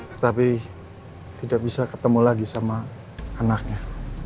tetapi tidak bisa ketemu lagi sama anaknya